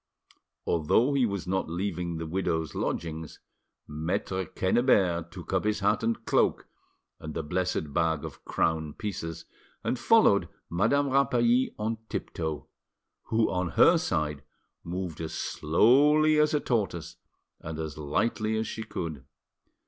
Although he was not leaving the widow's lodgings, Maitre Quennebert took up his hat and cloak and the blessed bag of crown pieces, and followed Madame Rapally on tiptoe, who on her side moved as slowly as a tortoise and as lightly as she could.